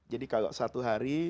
jadi kalau satu hari